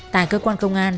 tại cơ quan công an